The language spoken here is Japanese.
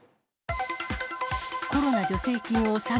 コロナ助成金を詐欺。